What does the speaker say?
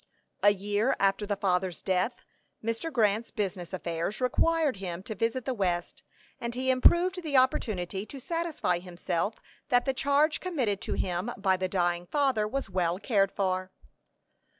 A year after the father's death, Mr. Grant's business affairs required him to visit the west, and he improved the opportunity to satisfy himself that the charge committed to him by the dying father was well cared for.